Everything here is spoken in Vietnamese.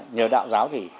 nhờ đạo giáo thì